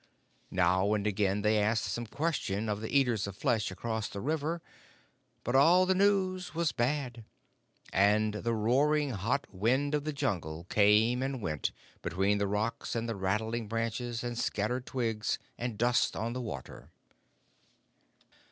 Now and again they asked some question of the Eaters of Flesh across the river, but all the news was bad, and the roaring hot wind of the Jungle came and went between the rocks and the rattling branches, and scattered twigs and dust on the water.